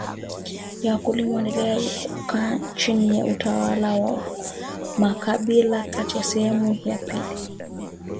ya wakulima waliendelea kukaa chini ya utawala wa makabailaKatika sehemu ya pili ya